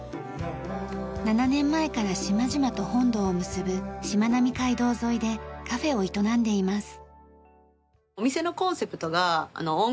７年前から島々と本土を結ぶしまなみ海道沿いでカフェを営んでいます。